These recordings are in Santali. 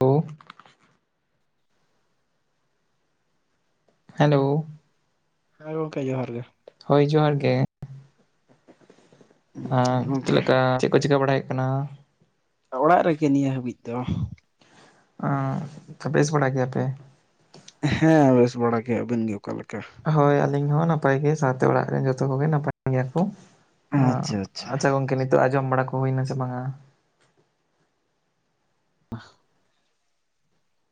ᱳ ᱦᱮᱞᱳ ᱦᱮᱸ ᱜᱚᱝᱠᱮ ᱡᱚᱦᱟᱨ ᱜᱮ᱾ ᱦᱳᱭ ᱡᱚᱦᱟᱨ ᱜᱮ᱾ ᱮᱦ ᱪᱮᱫ ᱜᱚᱝᱠᱮ ᱞᱮᱠᱟ ᱪᱮᱫ ᱠᱚ ᱪᱤᱠᱟᱹ ᱵᱟᱲᱟᱭᱮᱜ ᱠᱟᱱᱟ? ᱚᱲᱟᱜ ᱨᱮ ᱜᱮ ᱱᱤᱭᱟᱹ ᱦᱟᱹᱵᱤᱡ ᱫᱚ᱾ ᱚᱜ ᱛᱚ ᱵᱮᱥ ᱵᱟᱲᱟ ᱜᱮᱭᱟ ᱯᱮ? ᱦᱮᱸ ᱵᱮᱥ ᱵᱟᱲᱟ ᱜᱮ, ᱟᱹᱵᱤᱱ ᱜᱮ ᱚᱠᱟ ᱞᱮᱠᱟ? ᱦᱳᱭ ᱟᱹᱞᱤᱧ ᱦᱚᱸ ᱱᱟᱯᱟᱭ ᱜᱮ ᱥᱟᱣᱛᱮ ᱚᱲᱟᱜ ᱨᱮᱱ ᱡᱚᱛᱚ ᱠᱚ ᱜᱮ ᱱᱟᱯᱟᱭ ᱜᱮᱭᱟ ᱠᱚ᱾ ᱟᱜ ᱟᱪᱪᱷᱟ ᱜᱚᱝᱠᱮ ᱱᱤᱛᱳᱜ ᱟᱜ ᱡᱚᱢ ᱵᱟᱲᱟ ᱠᱚ ᱦᱩᱭᱱᱟ ᱥᱮ ᱵᱟᱝ-ᱟ? [unintelligible]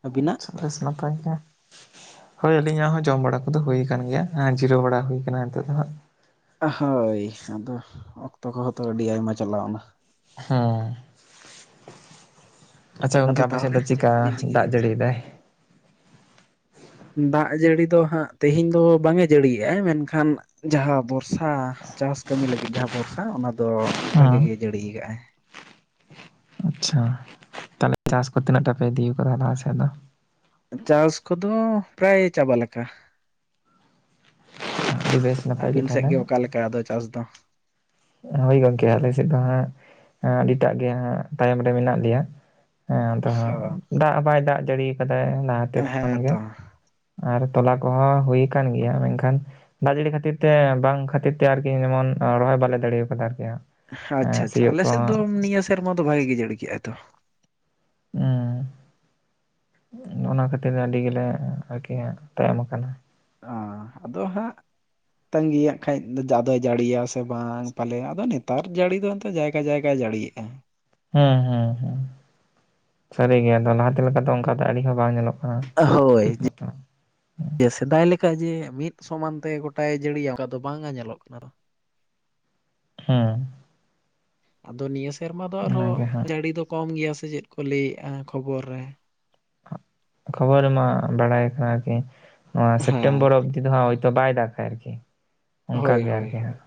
ᱟᱹᱵᱤᱱᱟᱜ? ᱟᱪᱪᱷᱟ ᱵᱮᱥ ᱱᱟᱯᱟᱭ ᱜᱮ᱾ ᱦᱳᱭ ᱟᱹᱞᱤᱧᱟᱜ ᱦᱚᱸ ᱡᱚᱢ ᱵᱟᱲᱟ ᱠᱚᱫᱚ ᱦᱩᱭ ᱠᱟᱱ ᱜᱮᱭᱟ ᱟᱜ ᱡᱤᱨᱟᱹᱣ ᱵᱟᱲᱟ ᱦᱩᱭᱠᱟᱱᱟ ᱱᱤᱛᱳᱜ ᱫᱚ ᱦᱟᱸᱜ᱾ ᱳᱷ ᱦᱳᱭ ᱟᱫᱚ ᱚᱠᱛᱚ ᱠᱚᱦᱚᱸ ᱛᱚ ᱟᱹᱰᱤ ᱟᱭᱢᱟ ᱪᱟᱞᱟᱣᱱᱟ᱾ ᱦᱩᱸ ᱟᱪᱪᱷᱟ ᱟᱫᱚ ᱜᱚᱝᱠᱮ ᱟᱯᱮ ᱥᱮᱫ ᱛᱟᱦᱚᱞᱮ ᱫᱚ ᱪᱮᱫ ᱪᱤᱠᱟ ᱠᱚᱵᱤᱱ ᱫᱟᱜ ᱪᱤᱠᱟᱹᱭᱮᱫᱟ? ᱡᱟᱹᱲᱤᱭᱮᱫᱟᱭ? ᱫᱟᱜ ᱡᱟᱹᱲᱤ ᱫᱚ ᱦᱟᱸᱜ ᱛᱮᱦᱮᱧ ᱫᱚ ᱵᱟᱝ ᱮ ᱡᱟᱹᱲᱤᱭᱮᱜ-ᱟ ᱢᱮᱱᱠᱷᱟᱱ ᱡᱟᱦᱟᱸ ᱵᱚᱨᱥᱟ ᱪᱟᱥ ᱠᱟᱹᱢᱤ ᱞᱟᱹᱜᱤᱫ ᱡᱟᱦᱟᱸ ᱵᱚᱨᱥᱟ ᱚᱱᱟ ᱫᱚ ᱵᱷᱟᱜᱤ ᱦᱮᱸ ᱜᱮ ᱡᱟᱹᱲᱤᱭ ᱠᱟᱜ ᱟᱭ᱾ ᱟᱪᱪᱷᱟ ᱛᱟᱦᱞᱮ ᱪᱟᱥ ᱠᱚ ᱛᱤᱱᱟᱹᱜ ᱴᱟ ᱯᱮ ᱤᱫᱤᱣ ᱠᱟᱫᱟ ᱞᱟᱦᱟ ᱥᱮᱫ ᱫᱚ? ᱪᱟᱥ ᱠᱚᱫᱚ ᱯᱨᱟᱭ ᱪᱟᱵᱟ ᱞᱮᱠᱟ᱾ ᱟᱹᱰᱤ ᱵᱮᱥ ᱱᱟᱯᱟᱭ ᱟᱹᱵᱤᱱ ᱥᱮᱜ ᱛᱟᱦᱚᱞᱮ ᱜᱮ ᱚᱠᱟ ᱞᱮᱠᱟ ᱟᱫᱚ ᱪᱟᱥ ᱫᱚ? ᱦᱳᱭ ᱜᱚᱝᱠᱮ ᱟᱞᱮ ᱥᱮᱫ ᱫᱚ ᱦᱟᱸᱜ ᱟᱹᱰᱤᱴᱟᱜ ᱜᱮ ᱦᱟᱸᱜ ᱛᱟᱭᱚᱢ ᱨᱮ ᱢᱮᱱᱟᱜ ᱞᱮᱭᱟ᱾ ᱦᱮᱸ ᱟᱫᱚ ᱦᱟᱸᱜ ᱦᱚᱸ ᱫᱟᱜ ᱦᱚᱸ ᱵᱟᱭ ᱫᱟᱜ ᱡᱟᱹᱲᱤ ᱠᱟᱫᱟᱭ ᱞᱟᱦᱟᱛᱮ ᱠᱷᱚᱱ ᱦᱮᱸ ᱜᱮ, ᱛᱚ ᱟᱨ ᱛᱚᱞᱟ ᱠᱚᱦᱚᱸ ᱦᱩᱭ ᱠᱟᱱ ᱜᱮᱭᱟ ᱢᱮᱝᱠᱷᱟᱱ ᱫᱟᱜ ᱡᱟᱹᱲᱤ ᱠᱷᱟᱹᱛᱤᱨ ᱛᱮ ᱵᱟᱝ ᱠᱷᱟᱹᱛᱤᱨ ᱛᱮ ᱟᱨᱠᱤ ᱡᱮᱢᱚᱱ ᱨᱚᱦᱚᱭ ᱵᱟᱞᱮ ᱫᱟᱲᱮᱣ ᱠᱟᱫᱟ ᱟᱨᱠᱤ ᱦᱟᱸᱜ᱾ ᱟᱪᱪᱷᱟ ᱦᱮᱸ ᱟᱪᱪᱷᱟ ᱥᱤᱭᱳᱜ ᱟᱞᱮᱥᱮᱫ ᱠᱚᱦᱚᱸ ᱫᱚ ᱱᱤᱭᱟᱹ ᱥᱮᱨᱢᱟ ᱫᱚ ᱵᱷᱟᱜᱤ ᱜᱮ ᱡᱟᱹᱲᱤ ᱠᱮᱜ-ᱟᱭ ᱛᱚ᱾ ᱩᱦ ᱚᱱᱟ ᱠᱷᱟᱹᱛᱤᱨ ᱟᱹᱰᱤ ᱜᱮᱞᱮ ᱟᱨᱠᱤ ᱛᱟᱭᱚᱢ ᱟᱠᱟᱱᱟ᱾ ᱚ ᱟᱫᱚ ᱦᱟᱸᱜ ᱛᱟᱸᱜᱤᱭᱟᱜ ᱠᱷᱟᱡ ᱫᱚ ᱡᱟ ᱫᱟᱜ ᱫᱚᱭ ᱡᱟᱹᱲᱤᱭᱟ ᱥᱮ ᱵᱟᱝ ᱯᱟᱞᱮ ᱟᱫᱚ ᱱᱮᱛᱟᱨ ᱡᱟᱹᱲᱤ ᱫᱚ ᱮᱱᱛᱮᱫ ᱡᱟᱭᱜᱟ ᱡᱟᱭᱜᱟᱭ ᱡᱟᱹᱲᱤᱭᱮ-ᱟ᱾ ᱦᱩᱸ ᱦᱩᱸ ᱦᱩᱸ ᱥᱟᱹᱨᱤ ᱜᱮ ᱟᱫᱚ ᱞᱟᱦᱟᱛᱮ ᱞᱮᱠᱟ ᱫᱚ ᱚᱝᱠᱟ ᱫᱚ ᱟᱹᱰᱤ ᱦᱚᱸ ᱵᱟᱝ ᱧᱮᱞᱚᱜ ᱠᱟᱱᱟ ᱦᱳᱭ ᱴᱷᱤᱠ ᱢᱚᱛᱚ ᱥᱮᱫᱟᱭ ᱞᱮᱠᱟ ᱡᱮ ᱢᱤᱫ ᱥᱚᱢᱟᱱ ᱛᱮ ᱜᱚᱴᱟᱭ ᱡᱟᱹᱲᱤᱭᱟ ᱚᱝᱠᱟ ᱫᱚ ᱵᱟᱝ ᱟᱸᱧᱮᱞᱚᱜ ᱠᱟᱱᱟ᱾ ᱦᱩᱸ ᱟᱫᱚ ᱱᱤᱭᱟᱹ ᱥᱮᱨᱢᱟ ᱫᱚ ᱟᱨᱦᱚᱸ ᱚᱱᱟᱜᱮ ᱦᱟᱸᱜ ᱡᱟᱹᱲᱤ ᱫᱚ ᱠᱚᱢ ᱜᱮᱭᱟ ᱥᱮ ᱪᱮᱫ ᱠᱚ ᱞᱟᱹᱭᱮᱜ-ᱟ ᱠᱷᱚᱵᱚᱨ ᱨᱮ᱾ ᱠᱷᱚᱵᱚᱨ ᱨᱮ ᱢᱟ ᱵᱟᱲᱟᱭ ᱠᱟᱱᱟ ᱠᱤ ᱱᱚᱣᱟ ᱦᱮᱸ ᱥᱮᱯᱴᱮᱢᱵᱚᱨ ᱚᱵᱫᱤ ᱫᱚ ᱦᱟ ᱵᱟᱭ ᱫᱟᱜᱟᱭ ᱛᱟᱦᱮᱫ ᱟᱨᱠᱤ ᱚᱱᱠᱟ ᱦᱳᱭ ᱜᱮ ᱦᱳᱭ ᱟᱨᱠᱤ ᱦᱳᱭ ᱦᱟᱸᱜ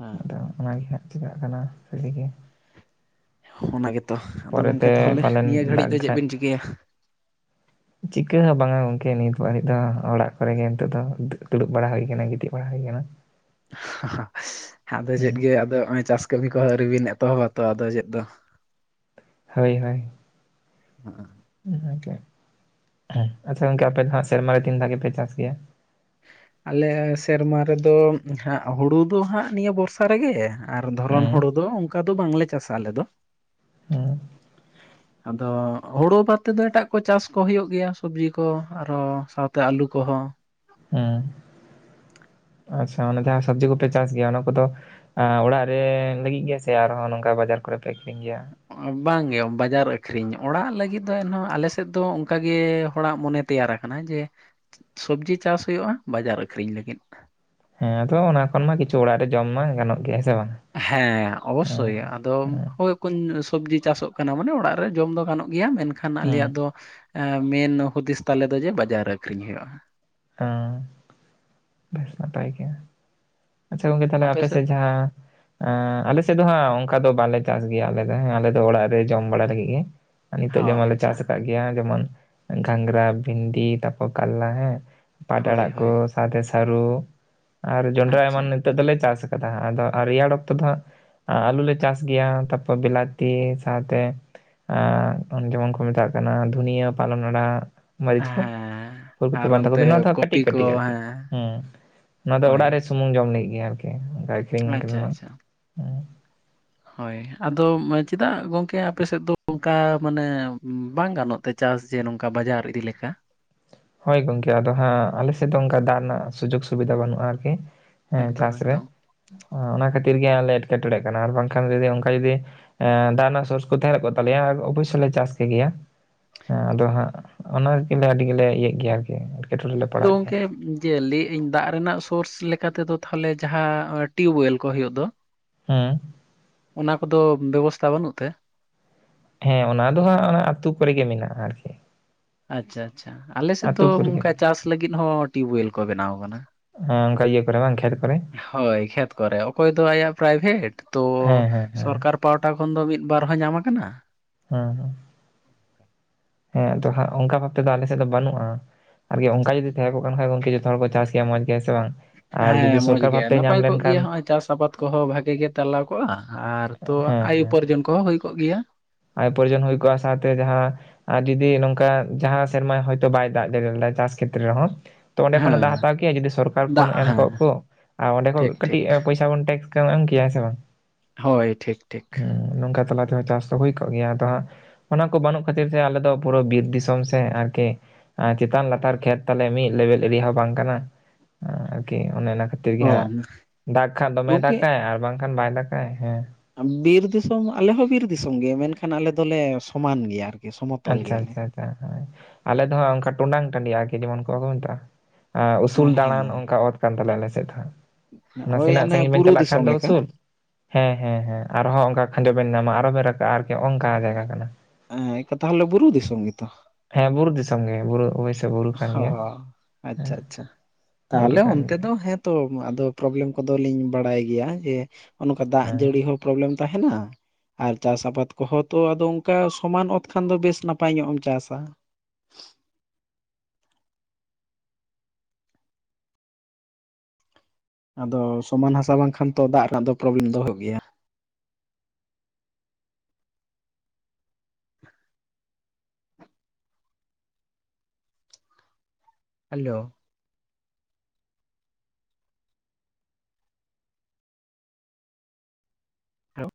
ᱦᱮᱸ᱾ ᱟᱫᱚ᱾ ᱚᱱᱟ ᱜᱮ ᱦᱟᱸᱜ ᱪᱤᱠᱟᱜ ᱠᱟᱱᱟ ᱟᱹᱰᱤ ᱜᱮ᱾ ᱚᱱᱟ ᱜᱮᱛᱚ, ᱟᱫᱚ ᱜᱚᱢᱠᱮ ᱯᱚᱨᱮᱛᱮ ᱛᱟᱦᱚᱞᱮ ᱱᱤᱭᱟᱹ ᱯᱟᱞᱮᱱ ᱜᱷᱟᱹᱲᱤᱡ ᱫᱟᱜ ᱫᱚ ᱪᱮᱫ ᱠᱷᱟᱡ ᱵᱤᱱ ᱪᱤᱠᱟᱹᱭᱟ᱾ [inaudible] ᱪᱤᱠᱟᱹ ᱦᱚᱸ ᱵᱟᱝ-ᱟ ᱜᱚᱝᱠᱮ ᱱᱤᱛ ᱦᱟ. ᱨᱤᱡ ᱫᱚ ᱚᱲᱟᱜ ᱠᱚᱨᱮ ᱜᱮ ᱱᱤᱛᱚᱜ ᱫᱚ ᱫᱩᱲᱩᱵ ᱵᱟᱲᱟ ᱦᱩᱭ ᱟᱠᱟᱱᱟ, ᱜᱤᱛᱤᱡ ᱵᱟᱲᱟ ᱦᱩᱭ ᱟᱠᱟᱱᱟ᱾ ᱦ [inaudible] [inaudible] ᱟᱫᱚ ᱪᱮᱫ ᱜᱮ ᱟᱫᱚ ᱱᱚᱜᱼᱚᱭ ᱪᱟᱥ ᱠᱟᱹᱢᱤ ᱠᱚ ᱟᱹ ᱵᱤᱱ ᱮᱛᱚᱦᱚᱵᱟᱛᱚ ᱟᱫᱚ ᱪᱮᱫ ᱫᱚ᱾ ᱦᱳᱭ ᱦᱳᱭ᱾ [inaudible] [inaudible] ᱟᱪᱪᱷᱟ ᱜᱚᱝᱠᱮ ᱟᱯᱮ ᱫᱚ ᱥᱮᱨᱢᱟ ᱨᱮ ᱛᱤᱱ ᱫᱷᱟᱣ ᱜᱮ ᱯᱮ ᱪᱟᱥ ᱜᱮᱭᱟ᱾ ᱟᱞᱮ ᱥᱮᱨᱢᱟ ᱨᱮᱫᱚ ᱦᱟᱸᱜ ᱦᱩᱲᱩ ᱫᱚ ᱦᱟᱸᱜ ᱱᱤᱭᱟᱹ ᱵᱚᱨᱥᱟ ᱨᱮᱜᱮ᱾ ᱟᱨ ᱫᱷᱚᱨᱚᱱ ᱦᱩᱸ ᱦᱩᱲᱩ ᱫᱚ ᱚᱱᱠᱟ ᱫᱚ ᱵᱟᱝᱞᱮ ᱪᱟᱥᱟ ᱟᱞᱮ ᱫᱚ᱾ ᱦᱩᱸ ᱟᱫᱚ ᱦᱳᱲᱳ ᱵᱟᱫ ᱛᱮᱫᱚ ᱮᱴᱟᱜ ᱠᱚ ᱪᱟᱥ ᱠᱚ ᱦᱩᱭᱩᱜ ᱜᱮᱭᱟ, ᱥᱚᱵᱽᱡᱤ ᱠᱚ ᱟᱨᱚ ᱥᱟᱶᱛᱮ ᱟᱹᱞᱩ ᱠᱚᱦᱚᱸ᱾ ᱦᱮᱸ ᱟᱪᱪᱷᱟ ᱚᱱᱮ ᱡᱟᱸᱦᱟᱸ ᱥᱚᱵᱡᱤ ᱠᱚᱯᱮ ᱪᱟᱥ ᱜᱮᱭᱟ, ᱚᱱᱟ ᱠᱚᱫᱚ ᱚᱲᱟᱜ ᱨᱮ ᱞᱟᱹᱜᱤᱫ ᱜᱮ ᱥᱮ ᱟᱨᱦᱚᱸ ᱱᱚᱝᱠᱟ ᱵᱟᱡᱟᱨ ᱠᱚᱨᱮ ᱯᱮ ᱟᱹᱠᱷᱨᱤᱧ ᱜᱮᱭᱟ᱾ ᱵᱟᱝ ᱜᱮ ᱵᱟᱡᱟᱨ ᱟᱹᱠᱷᱨᱤᱧ ᱚᱲᱟᱜ ᱞᱟᱹᱜᱤᱫ ᱫᱚ ᱮᱱᱦᱚᱸ ᱟᱞᱮ ᱥᱮᱫ ᱫᱚ ᱚᱱᱠᱟᱜᱮ ᱦᱚᱲᱟᱜ ᱢᱚᱱᱮ ᱛᱮᱭᱟᱨ ᱟᱠᱟᱱᱟ ᱡᱮ ᱥᱚᱵᱡᱤ ᱪᱟᱥ ᱦᱩᱭᱩᱜᱼᱟ ᱵᱟᱡᱟᱨ ᱟᱹᱠᱷᱨᱤᱧ ᱞᱟᱹᱜᱤᱫ᱾ ᱦᱮᱸ ᱟᱫᱚ ᱚᱱᱟ ᱠᱷᱚᱱ ᱢᱟ ᱠᱤᱪᱷᱩ ᱚᱲᱟᱜ ᱨᱮ ᱡᱚᱢ ᱢᱟ ᱜᱟᱱᱚᱜ ᱜᱮᱭᱟ ᱦᱮᱸ ᱥᱮ ᱵᱟᱝ᱾ ᱦᱮᱸ ᱦᱮᱸ ᱚᱵᱚᱥᱥᱳᱭ ᱟᱫᱚ, ᱦᱮᱸ ᱦᱳᱭ᱾ ᱠᱚ ᱥᱚᱵᱽᱡᱤ ᱪᱟᱥᱚᱜ ᱠᱟᱱᱟ ᱢᱟᱱᱮ ᱚᱲᱟᱜ ᱨᱮ ᱡᱚᱢ ᱫᱚ ᱜᱟᱱᱚᱜ ᱜᱮᱭᱟ ᱢᱮᱱᱠᱷᱟᱱ ᱦᱮᱸ ᱟᱞᱮᱭᱟᱜ ᱫᱚ᱾ ᱢᱮᱱ ᱦᱩᱫᱤᱥ ᱛᱟᱞᱮ ᱫᱚ ᱡᱮ ᱵᱟᱡᱟᱨ ᱨᱮ ᱟᱠᱷᱨᱤᱧ ᱦᱩᱭᱩᱜᱼᱟ᱾ ᱦᱚᱸ ᱱᱟᱯᱟᱭ ᱜᱮᱭᱟ᱾ ᱟᱪᱪᱷᱟ ᱜᱚᱝᱠᱮ ᱛᱟᱦᱚᱞᱮ ᱟᱯᱮ ᱥᱮᱫ ᱡᱟᱸᱦᱟᱸ ᱮ ᱟᱞᱮ ᱥᱮᱫ ᱫᱚ ᱦᱟᱸᱜ ᱚᱱᱠᱟ ᱫᱚ ᱵᱟᱞᱮ ᱪᱟᱥ ᱜᱮᱭᱟ ᱟᱞᱮ ᱫᱚ, ᱟᱞᱮ ᱫᱚ ᱚᱲᱟᱜ ᱨᱮ ᱡᱚᱢ ᱵᱟᱲᱟ ᱞᱟᱹᱜᱤᱫ ᱜᱮ᱾ ᱱᱤᱛᱚᱜ ᱦᱚᱸ ᱡᱮᱢᱚᱱ ᱞᱮ ᱟᱪᱪᱷᱟ ᱪᱟᱥ ᱟᱠᱟᱫ ᱜᱮᱭᱟ ᱡᱮᱢᱚᱱ ᱜᱷᱟᱝᱨᱟ, ᱵᱷᱤᱱᱰᱤ ᱛᱟᱯᱚᱨ ᱠᱟᱞᱞᱟ ᱦᱮᱸ᱾ ᱯᱟᱴ ᱦᱳᱭ ᱟᱲᱟᱜ ᱠᱚ ᱦᱳᱭ ᱥᱟᱶᱛᱮ ᱥᱟᱹᱨᱩ ᱟᱨ ᱡᱚᱱᱰᱨᱟ ᱟᱪᱪᱷᱟ ᱮᱢᱟᱱ᱾ ᱱᱤᱛᱚᱜ ᱫᱚᱞᱮ ᱪᱟᱥ ᱠᱟᱫᱟ, ᱟᱫᱚ ᱟᱨ ᱨᱮᱭᱟᱲ ᱚᱠᱛᱚ ᱫᱚ ᱟᱹᱞᱩ ᱞᱮ ᱪᱟᱥ ᱜᱮᱭᱟ ᱛᱟᱨᱯᱚᱨ ᱵᱤᱞᱟᱛᱤ ᱥᱟᱶᱛᱮ ᱟᱨ ᱡᱮᱢᱚᱱ ᱠᱚ ᱢᱮᱛᱟᱜ ᱠᱟᱱᱟ ᱫᱷᱩᱱᱭᱟᱹ ᱯᱟᱞᱚᱱ ᱟᱲᱟᱜ᱾ ᱢᱟᱹᱨᱤᱪ ᱠᱚ ᱦᱮᱸ ᱯᱷᱩᱞ ᱠᱚᱯᱤ, ᱟᱨ ᱵᱟᱸᱫᱷᱟ ᱚᱱᱛᱮ ᱠᱚᱯᱤ, ᱱᱚᱣᱟ ᱫᱚ ᱠᱚᱯᱤ ᱠᱟᱹᱴᱤᱡ ᱠᱚ ᱠᱟᱹᱴᱤᱡ ᱟᱨᱠᱤ ᱦᱮᱸ ᱦᱮᱸ, ᱱᱚᱣᱟ ᱫᱚ ᱦᱳᱭ ᱚᱲᱟᱜ ᱨᱮ ᱥᱩᱱᱩᱝ ᱡᱚᱢ ᱞᱟᱹᱜᱤᱫ ᱜᱮ ᱟᱨᱠᱤ [inaudible] ᱫᱚ ᱟᱪᱪᱷᱟ ᱦᱟᱸᱜ᱾ ᱟᱪᱪᱷᱟ ᱦᱳᱭ ᱟᱫᱚ ᱪᱮᱫᱟᱜ ᱜᱚᱝᱠᱮ ᱟᱯᱮ ᱥᱮᱫ ᱫᱚ ᱚᱱᱠᱟ ᱢᱟᱱᱮ ᱵᱟᱝ ᱜᱟᱱᱚᱜ ᱛᱮ᱾ ᱪᱟᱥ ᱡᱮ ᱱᱚᱝᱠᱟ ᱵᱟᱡᱟᱨ ᱤᱫᱤ ᱞᱮᱠᱟ᱾ ᱦᱳᱭ ᱜᱚᱝᱠᱮ ᱟᱫᱚ ᱦᱟᱸᱜ ᱟᱞᱮ ᱥᱮᱫ ᱫᱚ ᱚᱱᱠᱟ ᱫᱟᱜ ᱨᱮᱱᱟᱜ ᱥᱩᱡᱳᱜᱽ ᱥᱩᱵᱤᱫᱷᱟ ᱵᱟᱹᱱᱩᱜᱼᱟ ᱟᱨᱠᱤ᱾ ᱦᱮᱸ ᱮᱠᱫᱚᱢ ᱪᱟᱥ ᱨᱮ, ᱮᱠᱫᱚᱢ ᱚᱱᱟ ᱠᱷᱟᱹᱛᱤᱨ ᱜᱮ ᱟᱞᱮ ᱮᱴᱠᱮ ᱴᱚᱬᱮ ᱠᱟᱱᱟ ᱟᱨ ᱵᱟᱝᱠᱷᱟᱱ [inaudible] ᱚᱱᱠᱟ ᱡᱩᱫᱤ᱾ ᱮ ᱫᱟᱜ ᱨᱮᱱᱟᱜ ᱥᱳᱥ ᱠᱚ ᱛᱟᱦᱮᱸ ᱠᱚᱜ ᱛᱟᱞᱮᱭᱟ ᱟᱨ ᱚᱵᱚᱥᱥᱳᱭ ᱞᱮ ᱪᱟᱥ ᱠᱮᱜᱮᱭᱟ᱾ ᱦᱮᱸ ᱟᱫᱚ ᱦᱟᱸᱜ ᱚᱱᱟ ᱜᱮᱞᱮ ᱟᱹᱰᱤ ᱜᱮᱞᱮ ᱤᱭᱟᱹᱜ ᱜᱮᱭᱟ ᱟᱨᱠᱤ᱾ ᱮᱴᱠᱮᱴᱚᱬᱮ ᱞᱮ ᱟᱫᱚ ᱯᱟᱲᱟᱜ ᱜᱮᱭᱟ ᱜᱚᱝᱠᱮ᱾ ᱡᱮ ᱞᱟ. ᱭᱮᱧ ᱫᱟᱜ ᱨᱮᱱᱟᱜ ᱥᱳᱨᱥ ᱞᱮᱠᱟ ᱛᱮᱫᱚ ᱛᱟᱦᱚᱞᱮ ᱡᱟᱸᱦᱟᱸ ᱴᱤᱭᱩᱵᱭᱮᱞ ᱠᱚ ᱦᱩᱭᱩᱜ ᱫᱚ᱾ ᱦᱮᱸ ᱚᱱᱟ ᱠᱚᱫᱚ ᱵᱮᱵᱚᱥᱛᱟ ᱵᱟᱹᱱᱩᱜ ᱛᱮ᱾ ᱦᱮᱸ ᱚᱱᱟ ᱫᱚ ᱦᱟᱸᱜ ᱚᱱᱟ ᱟᱹᱛᱩ ᱠᱚᱨᱮ ᱜᱮ ᱢᱮᱱᱟᱜᱼᱟ ᱟᱨᱠᱤ᱾ ᱟᱪᱪᱷᱟ ᱟᱪᱪᱷᱟ ᱟᱞᱮ ᱥᱮᱫ ᱟᱹᱛᱩ ᱫᱚ ᱠᱚᱨᱮ ᱜᱮ ᱱᱚᱝᱠᱟ ᱪᱟᱥ ᱞᱟᱹᱜᱤᱫ ᱦᱚᱸ ᱴᱤᱭᱩᱵᱳᱭᱮᱞ ᱠᱚ ᱵᱮᱱᱟᱣ ᱟᱠᱟᱱᱟ᱾ ᱦᱮᱸ ᱚᱱᱠᱟ ᱤᱭᱟᱹ ᱠᱚᱨᱮ ᱵᱟᱝ ᱠᱷᱮᱛ ᱠᱚᱨᱮ᱾ ᱦᱳᱭ ᱠᱷᱮᱛ ᱠᱚᱨᱮ, ᱚᱠᱚᱭ ᱫᱚ ᱟᱭᱟᱜ ᱯᱨᱟᱭᱵᱷᱮᱴ ᱛᱚ ᱦᱮᱸ ᱦᱮᱸ ᱦᱮᱸ ᱥᱚᱨᱠᱟᱨ ᱯᱟᱣᱴᱟ ᱠᱷᱚᱱ ᱫᱚ ᱢᱤᱫ ᱵᱟᱨ ᱦᱚᱸ ᱧᱟᱢ ᱟᱠᱟᱱᱟ ᱦᱮᱸ ᱦᱮᱸ ᱟᱫᱚ ᱦᱟᱸᱜ ᱚᱱᱠᱟ ᱵᱷᱟᱵ ᱛᱮᱫᱚ ᱟᱞᱮ ᱥᱮᱫ ᱫᱚ ᱵᱟᱹᱱᱩᱜᱼᱟ ᱟᱨᱠᱤ ᱚᱱᱠᱟ ᱡᱩᱫᱤ ᱛᱟᱦᱮᱸ ᱠᱚᱜ ᱠᱷᱟᱱ ᱜᱚᱝᱠᱮ ᱡᱚᱛᱚ ᱦᱚᱲ ᱠᱚ ᱪᱟᱥ ᱠᱮᱭᱟ ᱢᱚᱸᱡᱽ ᱜᱮᱭᱟ ᱥᱮ ᱵᱟᱝ ᱟᱨ ᱦᱮᱸ ᱡᱩᱫᱤ ᱢᱚᱡᱽ ᱥᱚᱨᱠᱟᱨ ᱜᱮ ᱵᱷᱟᱵᱛᱮ ᱱᱟᱯᱟᱭ ᱧᱟᱢ ᱠᱚᱜ ᱞᱮᱱᱠᱷᱟᱱ ᱜᱮᱭᱟ ᱱᱚᱜᱼᱚᱭ ᱪᱟᱥ ᱟᱵᱟᱫ ᱠᱚᱦᱚᱸ ᱵᱷᱟᱜᱮ ᱜᱮ ᱛᱟᱞᱟᱣ ᱠᱚᱜᱼᱟ ᱟᱨ ᱛᱚ ᱦᱮᱸ ᱟᱭ ᱦᱮᱸ ᱩᱯᱟᱨᱡᱚᱱ ᱠᱚᱦᱚᱸ ᱦᱳᱭ ᱠᱚᱜ ᱜᱮᱭᱟ। ᱟᱭ ᱩᱯᱟᱨᱡᱚᱱ ᱦᱳᱭ ᱠᱚᱜᱼᱟ ᱥᱟᱶᱛᱮ ᱡᱟᱦᱟᱸᱼᱼ ᱟᱨ ᱡᱚᱫᱤ ᱱᱚᱝᱠᱟ ᱡᱟᱦᱟᱸ ᱥᱮᱨᱢᱟ ᱦᱚᱭᱛᱳ ᱵᱟᱭ ᱫᱟᱜ ᱡᱟᱹᱲᱤ ᱞᱮᱫᱟ ᱪᱟᱥ ᱠᱷᱮᱛᱨᱮ ᱨᱮᱦᱚᱸ ᱛᱚ ᱚᱸᱰᱮ ᱠᱷᱚᱱᱟᱜ ᱫᱟᱣ ᱦᱮᱸ ᱦᱟᱛᱟᱣ ᱠᱮᱭᱟ ᱡᱩᱫᱤ ᱥᱚᱨᱠᱟᱨ ᱠᱷᱚᱱ ᱫᱟᱜ ᱮᱢ ᱦᱮᱸ ᱠᱚᱜ ᱠᱚ ᱟ ᱚᱸᱰᱮ ᱠᱷᱚᱡ ᱴᱷᱤᱠ ᱠᱟᱹᱴᱤᱡ ᱴᱷᱤᱠ ᱮ ᱯᱚᱭᱥᱟ ᱥᱟᱵᱚᱱ ᱴᱮᱠᱥ ᱠᱚᱢ ᱮᱢ ᱠᱮᱭᱟ ᱦᱮᱸ ᱥᱮ ᱵᱟᱝ ᱦᱳᱭ ᱴᱷᱤᱠ ᱴᱷᱤᱠ ᱱᱚᱝᱠᱟ ᱛᱟᱞᱟ ᱛᱮᱦᱚᱸ ᱪᱟᱥ ᱫᱚ ᱦᱳᱭ ᱠᱚᱜ ᱜᱮᱭᱟ ᱟᱫᱚ ᱦᱟᱸᱜ ᱚᱱᱟ ᱠᱚ ᱵᱟᱹᱱᱩᱜ ᱠᱷᱟᱹᱛᱤᱨ ᱛᱮ ᱟᱞᱮᱫᱚ ᱯᱩᱨᱟᱹ ᱵᱤᱨ ᱫᱤᱥᱚᱢ ᱥᱮ ᱟᱨᱠᱤ ᱪᱮᱛᱟᱱ ᱞᱟᱛᱟᱨ ᱠᱷᱮᱛ ᱛᱟᱞᱮ ᱢᱤᱫ ᱞᱮᱵᱮᱞ ᱮᱨᱤᱭᱟ ᱦᱚᱸ ᱵᱟᱝ ᱠᱟᱱᱟ ᱟᱨᱠᱤ ᱚᱱᱮ ᱚᱱᱟ ᱠᱷᱟᱹᱛᱤᱨ ᱠᱷᱟᱹᱛᱤᱨ ᱜᱮ ᱚ ᱦᱟᱸᱜ ᱫᱟᱜ ᱠᱷᱟᱱ ᱫᱚᱢᱮ ᱜᱚᱝᱠᱮ ᱫᱟᱜᱟᱭ ᱟᱨ ᱵᱟᱝᱠᱷᱟᱱ ᱵᱟᱭ ᱫᱟᱜᱟᱭ ᱦᱮᱸ ᱵᱤᱨ ᱫᱤᱥᱚᱢ ᱟᱞᱮᱦᱚᱸ ᱵᱤᱨ ᱫᱤᱥᱚᱢ ᱜᱮ ᱢᱮᱱᱠᱷᱟᱱ ᱟᱞᱮ ᱫᱚᱞᱮ ᱥᱚᱢᱟᱱ ᱜᱮᱭᱟ ᱥᱚᱢᱚᱛᱚᱞ ᱟᱪᱪᱷᱟ ᱜᱮᱭᱟᱞᱮ ᱟᱪᱪᱷᱟ ᱟᱪᱷᱟ ᱟᱞᱮ ᱫᱚ ᱦᱟᱸᱜ ᱚᱱᱠᱟ ᱴᱩᱰᱟᱝ ᱴᱟᱺᱰᱤ ᱟᱨᱠᱤ ᱡᱮᱢᱚᱱ ᱠᱚ ᱢᱮᱛᱟᱜᱼᱟ ᱟ ᱩᱥᱩᱞ ᱦᱮᱸ ᱫᱟᱲᱟᱱ ᱚᱱᱠᱟ ᱚᱛ ᱠᱟᱱ ᱛᱟᱞᱮᱭᱟ ᱟᱞᱮ ᱥᱮᱫ ᱦᱟᱸᱜ ᱱᱚᱜᱼᱚᱭ ᱱᱟᱥᱮᱱᱟᱜ ᱚᱱᱮ ᱥᱟᱺᱜᱤᱧ ᱵᱮᱱ ᱵᱩᱨᱩ ᱪᱟᱞᱟᱜ ᱠᱷᱟᱱ ᱫᱤᱥᱚᱢ ᱫᱚ ᱞᱮᱠᱟ ᱩᱥᱩᱞ ᱦᱮᱸ ᱦᱮᱸ ᱦᱮᱸ ᱟᱨᱦᱚᱸ ᱚᱱᱠᱟ ᱠᱷᱟᱸᱡᱚ ᱵᱮᱱ ᱧᱟᱢᱟ ᱟᱨᱚ ᱵᱮᱱ ᱨᱟᱠᱟᱵᱼᱟ ᱟᱨᱠᱤ ᱚᱱᱠᱟ ᱡᱟᱭᱜᱟ ᱠᱟᱱᱟ ᱦᱮᱸ ᱛᱟᱦᱚᱞᱮ ᱵᱩᱨᱩ ᱫᱤᱥᱚᱢ ᱜᱮᱛᱚ ᱦᱮᱸ ᱵᱩᱨᱩ ᱫᱤᱥᱚᱢ ᱜᱮ ᱵᱩᱨᱩ ᱚᱵᱼᱼ ᱚᱦᱚ ᱟᱪᱪᱷᱟ ᱟᱪᱪᱷᱟ ᱵᱩᱨᱩ ᱛᱟᱞᱦᱮ ᱠᱟᱱ ᱚᱱᱛᱮ ᱜᱮᱭᱟ ᱫᱚ ᱦᱮᱸ ᱛᱚ ᱟᱫᱚ ᱯᱨᱚᱵᱽᱞᱮᱢ ᱠᱚᱫᱚᱞᱤᱧ ᱵᱟᱲᱟᱭ ᱜᱮᱭᱟ ᱡᱮ ᱱᱚᱝᱠᱟ ᱫᱟᱜ ᱦᱮᱸ ᱡᱟᱹᱲᱤ ᱦᱚᱸ ᱯᱨᱚᱵᱽᱞᱮᱢ ᱛᱟᱦᱮᱱᱟ ᱟᱨ ᱪᱟᱥ ᱟᱵᱟᱫ ᱠᱚᱦᱚᱸ ᱛᱚ ᱟᱫᱚ ᱚᱱᱠᱟ ᱥᱚᱢᱟᱱ ᱚᱛ ᱠᱷᱟᱱ ᱫᱚ ᱵᱮᱥ ᱱᱟᱯᱟᱭ ᱧᱚᱜ ᱮᱢ ᱪᱟᱥᱟ ᱟᱫᱚ ᱥᱚᱢᱟᱱ ᱦᱟᱥᱟ ᱵᱟᱝᱠᱷᱟᱱ ᱛᱚ ᱫᱟᱜ ᱨᱮᱱᱟᱜ ᱫᱚ ᱯᱨᱚᱵᱞᱮᱢ ᱫᱚ ᱦᱳᱭᱳᱜ ᱜᱮᱭᱟ ᱦᱮᱞᱳ ᱦᱮᱞᱳ